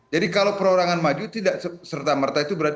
jadi kalau perorangan maju tidak serta merta itu berarti